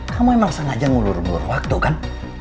kamu emang sengaja ngulur ngulur waktu kan